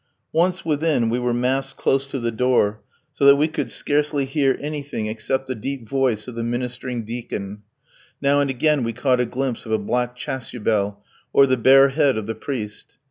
Once within we were massed close to the door so that we could scarcely hear anything except the deep voice of the ministering deacon; now and again we caught a glimpse of a black chasuble or the bare head of the priest.